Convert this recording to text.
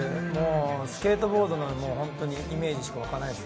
スケートボードのイメージしかわかないです。